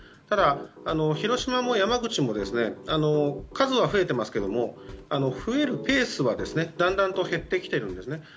ただ、広島も山口も数は増えていますけれども増えるペースはだんだんと減ってきているんですね。